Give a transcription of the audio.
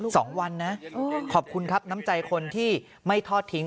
สองวันนะขอบคุณครับน้ำใจคนที่ไม่ทอดทิ้ง